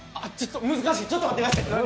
難しい、ちょっと待ってください。